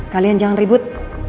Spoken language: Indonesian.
kalian jangan ribut